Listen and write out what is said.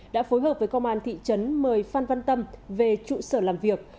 đã phối hợp với công an thị trấn mời phan văn tâm về trụ sở làm việc